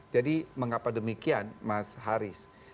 jadi mengapa demikian mas haris